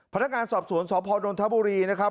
พนักงานสอบสวนสพนนทบุรีนะครับ